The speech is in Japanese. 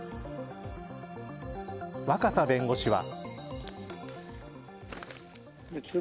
若狭弁護士は。